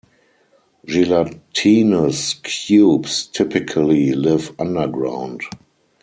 Gelatinous cubes typically live underground.